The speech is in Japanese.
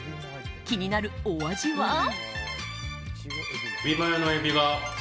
気になるお味は？